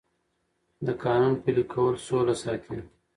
د قانون پلي کول سوله ساتي